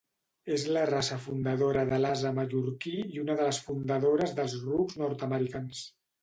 És la raça fundadora de l'ase mallorquí i una de les fundadores dels rucs nord-americans.